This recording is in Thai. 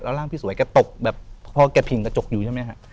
ร่างพี่สวยแกตกแบบพอแกผิงกระจกอยู่ใช่ไหมฮะ